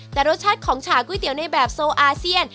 แต่รสชาติของฉาก๋วยเตี๋ยวในแบบโซอาเซียน